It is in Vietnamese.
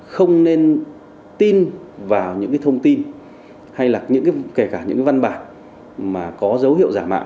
không nên tin vào những thông tin hay là kể cả những văn bản mà có dấu hiệu giả mạo